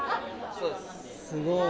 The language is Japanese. すごい。